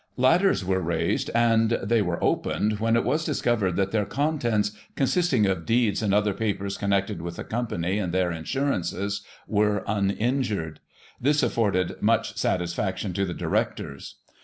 Ladders were raised, smd they were opened, when it was discovered that their contents, consisting of deeds and other papers connected with the Company and their insurances, were un injured. This afforded much satisfaction to the directors.